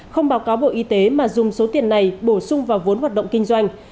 không báo cáo bộ y tế mà dùng số tiền này bổ sung vào vốn hoạt động kinh doanh